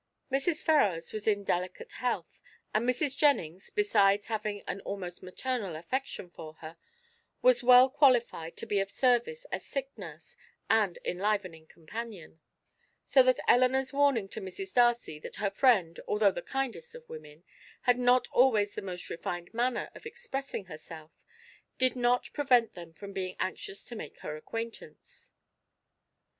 Mrs. Ferrars was in delicate health, and Mrs. Jennings, besides having an almost maternal affection for her, was well qualified to be of service as sick nurse and enlivening companion, so that Elinor's warning to Mrs. Darcy that her friend, although the kindest of women, had not always the most refined manner of expressing herself, did not prevent them from being anxious to make her acquaintance.